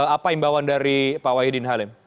apa imbauan dari pak wahidin halim